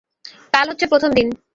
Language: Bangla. কাল হচ্ছে প্রথম দিন।